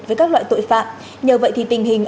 với các loại tội phạm nhờ vậy thì tình hình